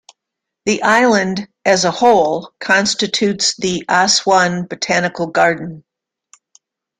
The island, as a whole, constitutes the Aswan Botanical Garden.